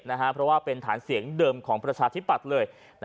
เพราะว่าเป็นฐานเสียงเดิมของประชาธิปัตย์เลย